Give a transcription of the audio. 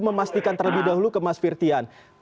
memastikan terlebih dahulu ke mas firtian